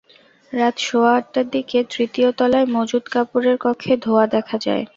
রাত সোয়া আটটার দিকে তৃতীয় তলায় মজুত কাপড়ের কক্ষে ধোঁয়া দেখা যায়।